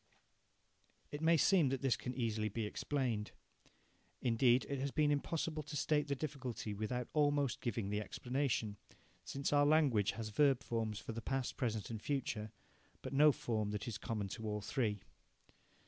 It may seem that this can easily be explained. Indeed it has been impossible to state the difficulty without almost giving the explanation, since our language has verb forms for the past, present, and future, but no form that is common to all three.